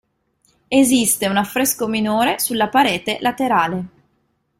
Esiste un affresco minore sulla parete laterale.